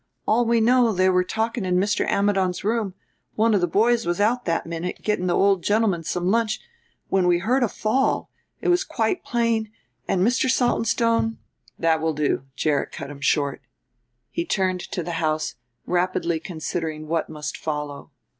"All we know they were talking in Mr. William Ammidon's room one of the boys was out that minute getting the old gentleman some lunch when we heard a fall, it was quite plain, and Mr. Saltonstone " "That will do," Gerrit cut him short. He turned into the house, rapidly considering what must follow.